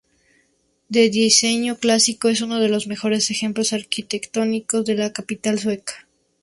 De diseño clásico, es uno de los mejores ejemplos arquitectónicos de la capital sueca.